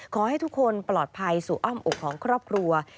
ขอให้ทุกคนปลอดภัยสู่อ้อมอกของครอบครัว